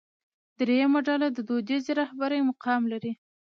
درېیمه ډله د دودیزې رهبرۍ مقام لري.